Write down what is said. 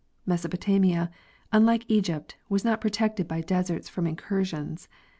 Mesopotamia, unlike Egypt, was not protected by deserts from incursions.